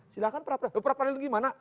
silahkan pra pra pra pra itu gimana